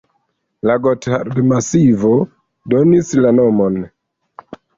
La Gothard-masivo donis la nomon.